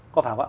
có phải không ạ